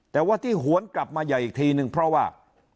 แต่ว่าที่หวนกลับมาใหญ่อีกทีนึงเพราะว่า